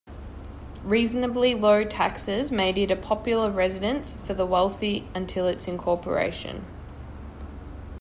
Reasonably low taxes made it a popular residence for the wealthy until its incorporation.